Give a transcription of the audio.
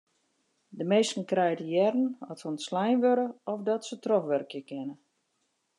De minsken krije te hearren oft se ûntslein wurde of dat se trochwurkje kinne.